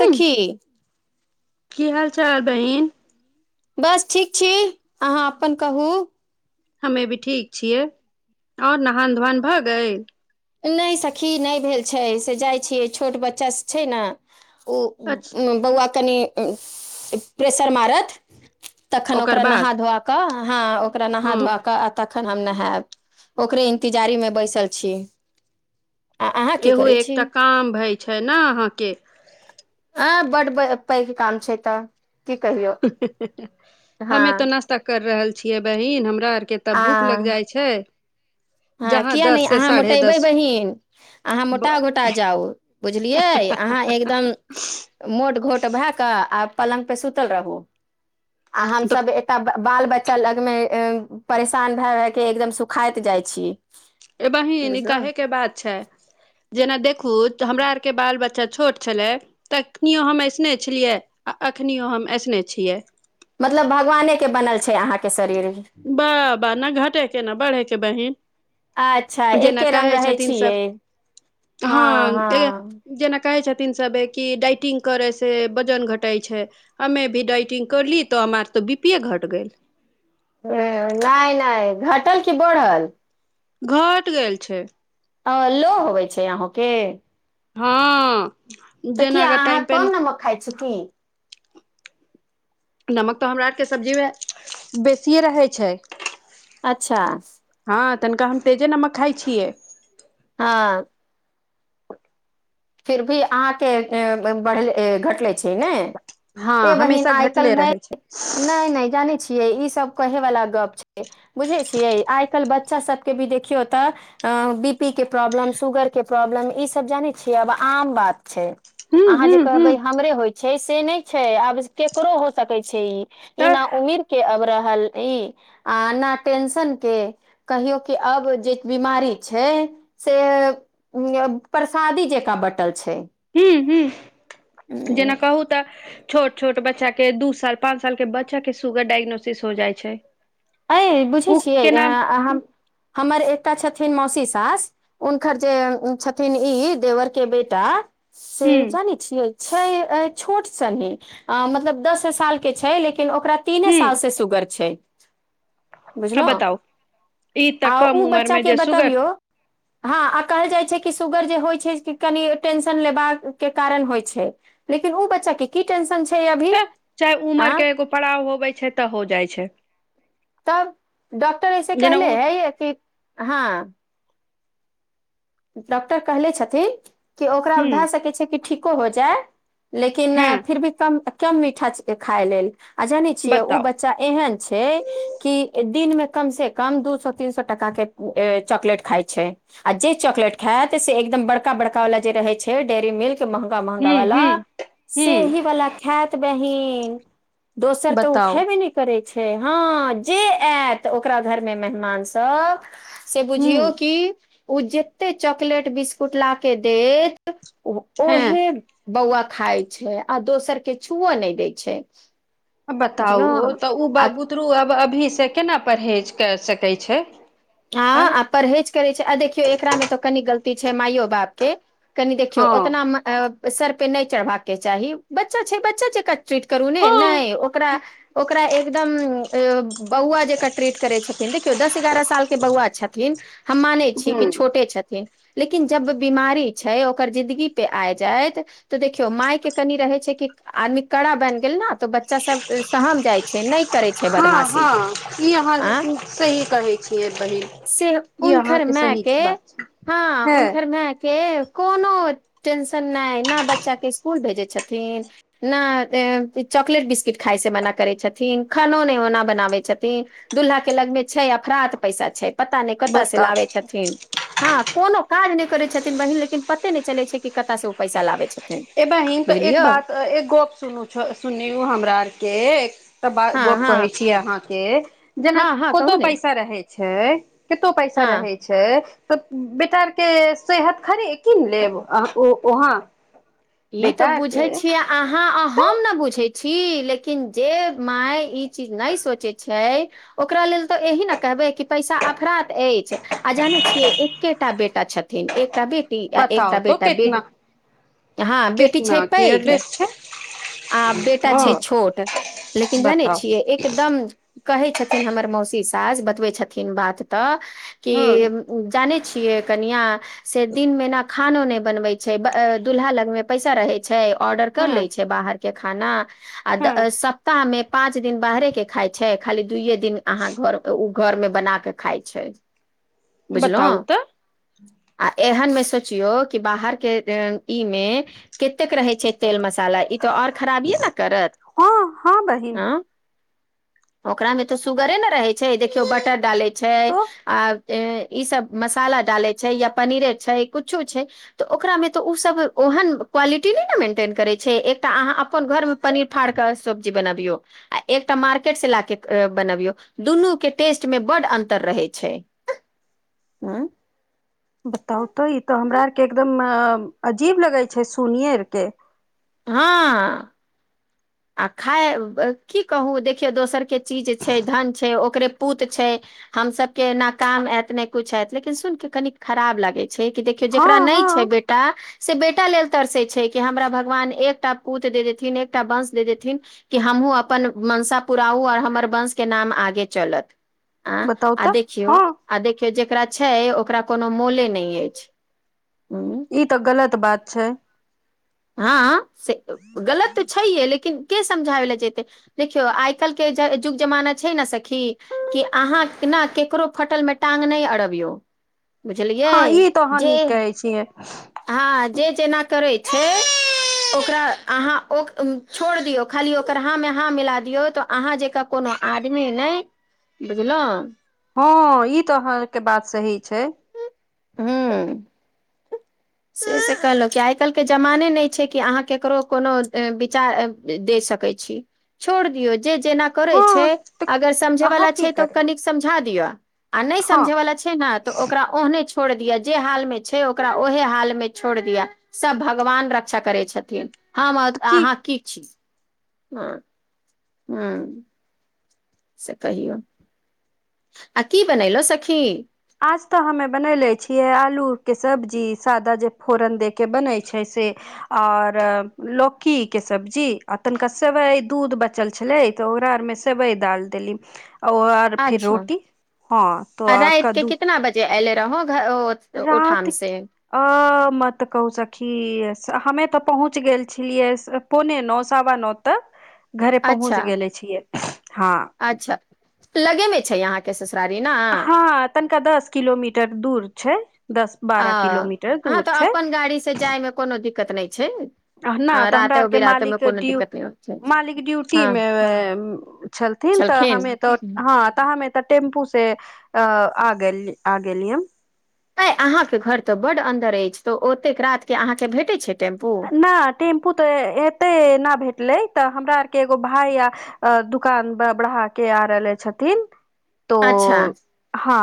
सखी की हाल-चाल बहिन? बस ठीक छी। अहाँ अपन कहू। हमे भी ठीक छियै। आओर नहान-धोआान भऽ गइल? नहि सखी, नहि भेल छै। से जाइ छियै छोट बच्चासभ छै ने ओ अच्छा उत्तम बौआ कनि प्रेसर मारत। तखन ओकर ओकरा बाद नहा धोआ कऽ हँ ओक- -करा हँ नहा-धोआ कऽ आ त- तखन हम नहाएब। ओकरे इंतिजारेमे बैसल छी। आ अहाँ की एहो करै छी एकटा काम भइ छै ना अहाँके। आँ, बड्ड ब पैघ काम छै तऽ। की कहियौ हँ हमे तऽ नास्ता कर रहल छियै बहिन। हमरा के तऽ भूख आ लग जाइ छै। हँ, जहाँ किए नहि। दस से अहाँ साढ़े मोटयबै दस बहीन। अहाँ ब मोटा-घोटा जाउ। बुझलियै? अहाँ एकदम मोट घोट भए कऽ आ पलङ्ग पे सुतल रहू। आ तऽ हमसब एतय बाल-बच्- लगमे अँ परेशान भए-भए के एकदम सुखाइत जाइत छी। ए बहीन, ई बुझलहु कहेके बात छै। जेना देखू तऽ हमरा आरके बाल बच्चा छोट छलै तखनियो हम ऐसने छलियै आ अखनियो हम ऐसने छियै। मतलब भगवाने के बनल छै अहाँके शरीर। बा बा न घटेके न बढ़ेछै बहिन अच्छा जेना एके रंग कहै रहै छथिन छियै सब हँ ऐ जेना कहै छथि थीन सबे कि डाइटिंग करे से वजन घटै छै हमे भी डाइटिंग करली तऽ हमार तऽ बी पी ए घट गैल। ह नहि नहि घटल की बढ़ल? घट गेल छै। अँ लो होवै छै अहूँके? हँ, तऽ जेना किया अगर अहाँ टाइम कम पेन नमक खाइ छी की नमक तऽ हमरा आरके सब्जीमे बेसिए रहै छै। अच्छा। हँ, तनिका हम तेजे नमक खाइ छियै। हँ फिर भी अहाँके ए ब बढ़ ए घटलै। छई ने। हँ ऐ बहिन हमेशा आइ कल घटले नहि रहै छै नहि नहि जानै छि यई ई सब कहे वाला गप छै बुझे छिये आइ कल बच्चा सब के भी देखियो त अं बी पी के प्रॉब्लम, शुगर के प्रॉब्लम ई सब जाने इ आब आम बात छै। हूँ अहाँ जे हूँ हूँ कहबै हमरे होइ छै हे ई से नहि छै आबिस केकरो हो सकै छै ई। ई तऽ न उमीर के अवरह हली आ न टेंसन के कहियो की अब जे बिमारी छै सेऽ यह पर सादी जेंका बटल हूं हूं जेना छै कहू तऽ छोट छोट बच्चा के दू साल पाँच साल के बच्चा के सुगर डायग्नोसिस हो जाइ छै। अंय बुझै ओ छियै केना हम हमर एक एकटा छथिन मौसी सास उनकर जे छथिन ई देवर के बेटा से हूँ जानै छीये छय अय छोट सनी अं मतलब दसे साल के छै लेकिन ओकरा तीने हूँ साल से सुगर छै। [inaudible] आ बुझलहुँ बताउ ई तऽ आ कम ऊ उमर मे बच्चाके जे सुगर बतबियौ हँ आ कहल जाइ छै कि सुुगर जे होइ छै कनि टेंशन लेबाक के कारण होइ छै लेकिन ऊ बच्चा के की टेंशन छै अभी? तऽ चाहे उमर आँ के एगो पड़ाव होबै छै तऽ हो जाइ छै। तब डॉक्टर ऐसे जेना कहले ओ है य कि हाॅं डॉक्टर कहले छथिन कि ओकरा हूं भए सकै छै कि ठीक को भ जाय लेकिन, हँ फिर भी कम कम मीठा खाय लेल आ जानै छियै, ओ बताउ बच्चा एहन छै कि दिन मे कम से कम दू सौ, तीन सौ टका के चॉकलेट खाइ छै, आ जे चॉकलेट खै तसे एकदम बड़का बड़का वला जे रहै छै डेरी मिल्क महँगा महँगा हूं वला हूं से हूं ही वला खैत। बहीन दोसर तऽ ओ बताउ खेबे न करै छै, हँ, जे आयत ओकरा घर मे मेहमान सभ से हूं बुझियौ कि उज जेते चॉकलेट, बिस्कुट ला के देत हँ उहे बौउवा खाय छै, आ दोसर के छु नहि दै छै। अ बताउ, बुझलहु तऽ ओ आ बुतरू अब अब अभी से केना परहेज कर सकै छै। आँ हँ, आ परहेज करे छै, आ देखियौ एकरा मे तऽ कनि गलती छै, माययो बाप के कनि देखियौ हँ ओ तऽ नाम सर पे नहि चढ़बाक के चाही, बच्चा छै, बच्चा छै, क ट्रीट करू ने, हँ नहि ओकरा ओकरा एकदम अ बउवा जेक ट्रीट करै छथिन, देखियौ दस-आग्रह साल के बउवा छथिन, हम मानै छी कि हूं छोटे छथिन लेकिन जब बीमारी छै, ओकर जिदगी पे आ जायइत, तऽ देखियो माय के कनी रहे छै कि आदमी कड़ा बनि गेल ने तो बच्चा सब सहम जाय छै न हँ, हँ, ई अहाँ आँ सही कहै छियै। बहिन से ई उनकर अहाँके मै सही के बात छै हँ हे उनकर मै के कोनो टेंशन नहि, ने बच्चा के स्कूल भेजे छथिन, नहि चॉकलेट, बिस्कुट खााय से मना करे छथिन, खानो नहि ओना बनाबे छथिन, दुूल्हा के लगमे छै अपफराध पैसा छै पता नहि कता से बताउ लाबे छथिन, हँ, कोनो काज नहि करै छथिन बहिन, लेकिन पते नहि चलै छै कि कतऽ से ओ पैसा लाबै छथिन। ए बहिन, तऽ एक बुझलियौ बात एक गप सुनू छ, सुन हमरा से त बात, हँ गप हँ कहै छीयै अहाँके। जेना हँ हँ कहू कतो ने पैसा रहे छै कतो पैसा हँ रहै छै तऽ बेटा आरके सेहत खड़ी कीन लेब अ वहाँ ई तऽ बेटा बुझे आरके छियै अहाँ, अ तऽ हम न बुझे छी, लेकिन जे माय ई चीज नहि सोचै छै, ओकरा लेल तऽ एहिह ने कहबै कि पैसा अफरा अछि, आ जानै छियै एकेटा बेटा छथिन, एकटा बेटी आ बताउ एकटा तो बेटा बे कितना हँ, बेटी छै कितना पैघ, केयरलेस छै आ बेटा हँ छै छोट, लेकिन जानै बताउ छियै एकदम कहै छथिन हमर मौसी सास बतबै छथिन बात तऽ कि हँ जानी छियै कनिया से दिन मे न खानो नहि बनबै छै दुूल्हा लग में पैसा रहे छै ऑर्डर कर ले हँ छै बाहर के खाना हँ आ सप्ताह मे पाँच दिन बाहरे के खााय छै, खाली दुूइये दिन अहाँ घर ओ घर मे बना के खाय छै। बताउ बुझलहुँ, तऽ आ एहन मे सचियो कि बाहर के इ मे कतेक रहै छै तेल मसाला इ त और खराबीय न करत हँ हँ बहिन न ओकरा मे तऽ सुगरे ने रहे छै, देखियौ बटर डाले छै तो आ ई सब मसाला डाले छै, या पनीर छै, कुछो छै तऽ ओकरा मे तो ओहेन क्वालिटी नई न मेंटेन कराई छै, एक त आहा अप्पन घर में पनीर फार क सब्जी बनबियो या मार्केट से लाके बनाबियों, दुनू के टेस्ट में बड अन्तर रहई छै। बताउ तो, ई तो हमरा आरके एकदम अ अजीब लगै छै सुनिेकएर के हँ। आ खा की कहू देखियौ दोसर के चीज छै, धन छै ओ ओकरे पूत छै, हम सब के नाकाम आयत ने कुछ है, लेकिन सुन के कनी खराब लागे छै, कि देखियौ हँ जेकरा नहि छै हँ बेटा से बेटा लेल तरसे छै, कि हमरा भगवान एकटा पूत दे देथिन एकटा वंश देथिन कि हमहुूँ अपन मंसा पुराउ, आओर हमर वंश के नाम आगे चलत। आ बताउ आ तऽ देखियौ हँ आ देखियौ जेकरा छै ओ ओकरा कोनो मोले नहि अछि। हूँ ई तऽ गलत बात छै। हँ से गलत तऽ छैे लेकिन के समझ जेैते, देखियौ आइ काल्हिुके जुग जमाना छै ने सखी कि अहाँ ने ककरो फटल मे टाँग नहि अड़बियौ। हँ बुझलियै, ई तऽ अहाँ जे, नीक कहै छियै हँ, जे जेना करैत छै, ओकरा अहाँ छोड़ दियौ खाली ओकर हाँ मे हाँ मिला दियौ, तऽ अहाँ जेकाँ कोनो आदमी नहि, बुझलहुँ। हँ ई तऽ अहाँके बात सही छै। हँ। से तऽ कहलहुँ कि आइ काल्हिके जमाने नहि छै कि अहाँ ककरो कोनो विचार दे सकैत छी छोड़ दियौ जे जेना करे हँ छै तऽ अगर समझे अहाँ वाला की छै तऽ करब कन समझा दियअ आ नहि हँ समझे वाला छै ने तऽ ओकरा ओहने छोड़ दिय जे हाल में छै ओकरा ओहे ह हाल मे छोड़ दिया सब भगवान रक्षा करै छथिन। हम अहाँ की छी। हँ। हँ। से कहियौ। आ कि बनैलऊ सखी। आज तऽ हमे बनयलै छियै आलूके सब्जी सादा जे फोरन दयके बनै छै से आओर लौकीके सब्जी आ तनिका सेवइ दूध बचल छलै तऽ ओकरा आरमे सेवइ ालि देली। आर फिर अच्छा रोटी हँ तो आ राति के कितना बजे एल रह। रति अ मतऽ कहू सखी हमे तऽ पहुँच गेल छलियै पोने नओ सवा नओ तक। घरे पहुँच अच्छा गेले छियै। हँ अच्छा लगेमे छै यहाँके ससुरारी न। हँ तनिका दस किलोमीटर दूर छै। दस अ बारह किलोमीटर अहाँ दूर तऽ छै अपन गाड़ी से जाय मे कोनो दिक्कत नहि छै। नहि आ तऽ हमरा रातो आरके बिरातोमे मालिक कोनो ड्यू दिक्कत नहि होइत छै मालिक हँ ड्यूटीमे छलथिन तऽ छलखिन हमे तऽ हँ तऽ हमे टेम्पू से अ आ गेल आ गेली। तें अहाँके घर तऽ बड्ड अंन्दर अछि तऽ ओतेक रात के अहाँके भेटैत छै टेम्पू न टेम्पू तऽ एेतै न भेटलै तऽ हमरा आर के एगो भाय य दुकान बढ़ा के आ रहले छथिन तो अच्छा हँ।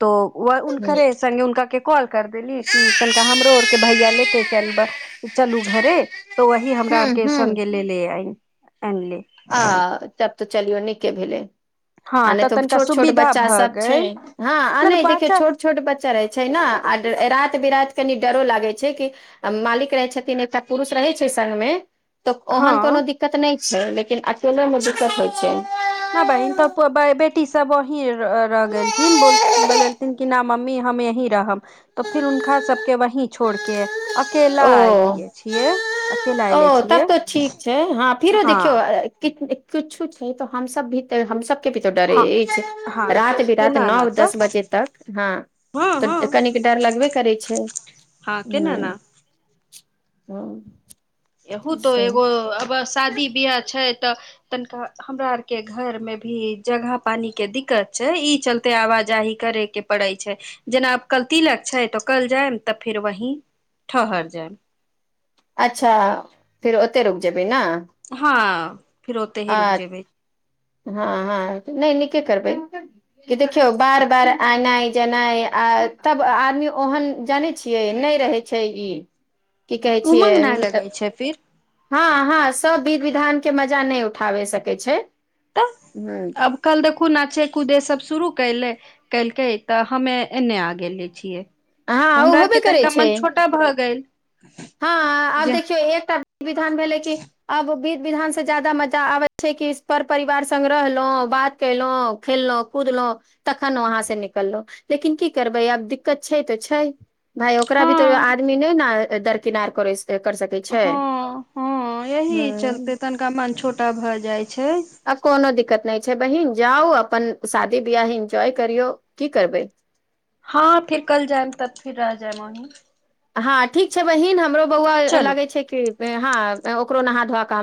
तो व उनक हूँ रहे संगे उनका कॉल कर देली कि तनिका हमरो आर के भैया लेते चल ब चलू घरे। तऽ वही हमरा आर हूँ के हूँ सङ्े लेले आइ। एनली। आ तब तऽ चलियौ नहि के भेलै। आ नहि तऽ तनिका छोट छोट सुविधा बच्चा भऽ सब छै गेल हँ आ तऽ नहि देखियौ बच्चा छोट छोट बच्चा रहै छै ने आ रति बिरात कनि डरो लागै छै कि मालिक रहै छथिन एकटा पुरुष रहै छै संग में तऽ हँ ओहन कोनो दिक्कत नहि। ह। लेकिन अकेले मे दिक्कत होइ छै। नहि बहीन तऽ बेटी सभ वही र गेलथिनोल बोलेलथिन कि नहि मम्मी हम यही रहब तऽ फेर हुनका सभके वही छोड़ क अकेला ओ एऐलियै छियै। अकेला एले ओ तब छियै तो ठीक छै हँ फिरो देखियौ किुछु छै तऽ हमस भी तऽ हमसब के भी तो डरे हँ अछि हँ रात बिरात केना ने नओ तऽ दस बजे तक हँ हँ हँ तऽ कनिक डर लगबे करै छै हँ केना ह। ने हँ। ए त एगो अब शादी बियाह छै तऽ तनिका हमरा आर के घर मे भी जगह पानी के दिक्कत छै ई चलते आवाजाही करे के पड़े छै जेना आब कल तिलक छै तऽ कल जायम तऽ फेर वहीं ठहर जायम। अच्छा फेर ओते रुक जेबी ने। हँ। ह। अ हँ हँ नहि नीके करबै। कि देखियौ बार बार एनाइ जेनाइ आ तब आदमी ओहन जानै छियै नहि रहै छै ई। की कहै छियै उमंग नहि त लगै छै फिर हँ हँ। सब विध विधान के मजा न नहि उठ उठाबे सकै छै। तऽ ह अब कल देखू नाचे कूदे सब शुरू कले कलकै तऽ हमे एने आ गेले छियै। हँ तऽ ओ हमरा होबे आरके करै तनिका छै मन छोटा भऽ गेल। हँ आब जे देखियौ एकटा वि विधान भेलै कि अब वि विधान से ज्यादा मजा आबै छै कि पर परिवार सग रहलहुँ बात केलहुं खेललहुँ कूदलहुं तखन वहां से निकललहु लेकिन की करबै आब दिक्कत छै तऽ छै। भााय ओकरा भी तो हँ आदमी न ने दर किनार कर। कर सकै छै हां हां, ह एही चलते तनिका मन छोटा भए जाइ छै। आ कोनो दिकत नै। छै बहिन, जाउ अपन शादी बियाह इन्जॉय करियौ, कि करबै। हां फिर कल जायब तब फिर आ जाइब भानु। हँ ठीक छै बहिन हमरो बौआ चलू लगै छै कि हँ ओकरो नहा धो क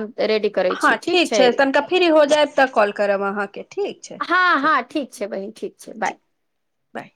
हां ठीक छै, तनिका फ्री हो जायब त कॉल करब अहांके ठीक छै। हँ हँ चलु। ठीक छै बहिन ठीक छै, बाय। बाय।